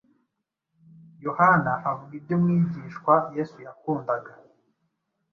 Yohana avuga iby’umwigishwa Yesu yakundaga,